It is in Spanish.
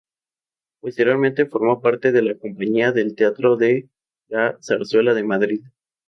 Posteriormente formó parte de la Compañía del Teatro de la Zarzuela de Madrid.